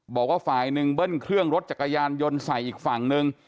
บอกว่าฝ่ายหนึ่งเบิ้ลเครื่องรถจักรยานยนต์ใส่อีกฝั่งนึง